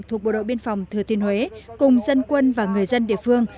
thuộc bộ đội biên phòng thừa thiên huế cùng dân quân và người dân địa phương